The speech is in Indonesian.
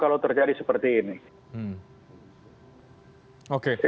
kalau terjadi seperti ini